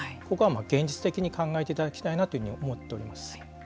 現実的に考えていただきたいなと思っております。